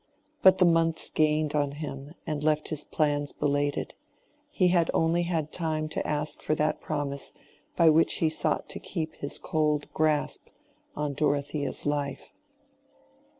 But the months gained on him and left his plans belated: he had only had time to ask for that promise by which he sought to keep his cold grasp on Dorothea's life.